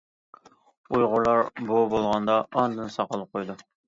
ئۇيغۇرلار بوۋا بولغاندا ئاندىن ساقال قويىدۇ.